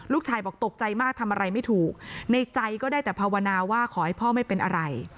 ลูกชายบอกตกใจมากทำอะไรไม่ถูกในใจก็ได้แต่ภาวนาว่าขอให้พ่อไม่เป็นอะไร